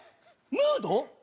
ムード？